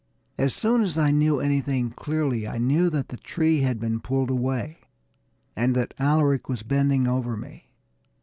As soon as I knew anything clearly, I knew that the tree had been pulled away, and that Alaric was bending over me.